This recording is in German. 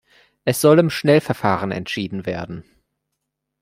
Es soll im Schnellverfahren entschieden werden.